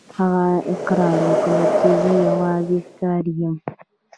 هغه اقرار وکړ چې زه یوازې ښکاري یم.